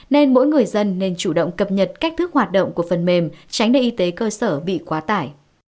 nên mỗi người dân nên chủ động cập nhật cách thức hoạt động của phần mềm tránh để y tế cơ sở bị quá tải